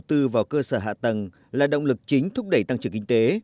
đầu tư vào cơ sở hạ tầng là động lực chính thúc đẩy tăng trưởng kinh tế